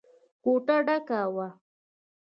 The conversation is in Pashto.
کوټه ډکه وه.